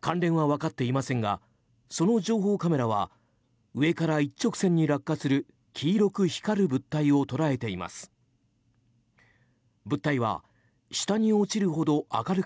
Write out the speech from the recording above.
関連は分かっていませんがその情報カメラは上から一直線に落下する黄色く